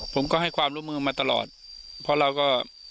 ผมก็ให้ความร่วมมือมาตลอดเพราะเราก็